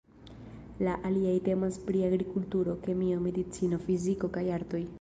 La aliaj temas pri Agrikulturo, Kemio, Medicino, Fiziko kaj Artoj.